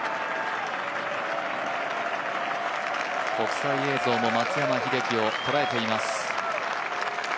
国際映像も松山英樹を捉えています。